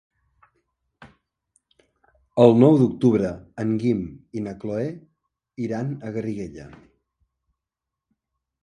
El nou d'octubre en Guim i na Cloè iran a Garriguella.